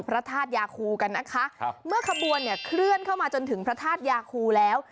พระธาตุยาคูกันนะคะครับเมื่อขบวนเนี่ยเคลื่อนเข้ามาจนถึงพระธาตุยาคูแล้ว